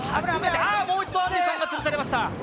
あぁ、もう一度あんりさんが潰されました。